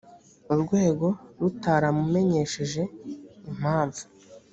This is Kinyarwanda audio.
urwego rutaramumenyesheje impamvu